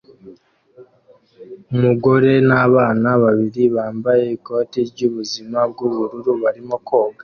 Umugore nabana babiri bambaye ikoti ryubuzima bwubururu barimo koga